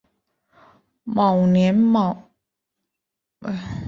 某年春三月二十一日去世。